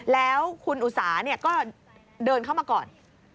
แล้วคุณอุสาก็เดินเข้ามาก่อน